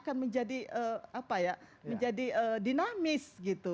akan menjadi apa ya menjadi dinamis gitu